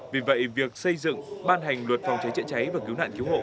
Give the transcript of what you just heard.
vì vậy việc xây dựng ban hành luật phòng cháy chữa cháy và cứu nạn cứu hộ